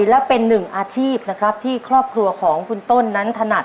และเป็นหนึ่งอาชีพนะครับที่ครอบครัวของคุณต้นนั้นถนัด